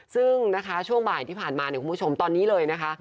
ซึ่งนะคะช่วงบ่ายที่ผ่านมาเนี่ยคุณผู้ชมตอนนี้เลยนะคะ